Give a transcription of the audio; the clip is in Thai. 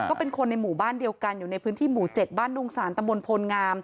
ก็เป็นคนในหมู่บ้านเดียวกันอยู่ในพื้นที่หมู่๗บ้านดุงศาลตำบลโพลงาม